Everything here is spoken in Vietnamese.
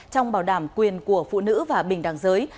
trong bảo đảm quyền của phụ nữ và bình đẳng giới